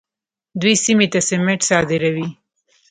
دوی سیمې ته سمنټ صادروي.